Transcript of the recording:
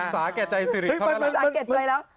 สาเกตใจซิริย์เข้ามาแล้ว